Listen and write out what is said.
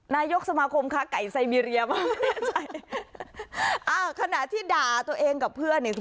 นายกสมาคมค้าไก่ไซเมรียบ้างขณะที่ด่าตัวเองกับเพื่อนเนี่ย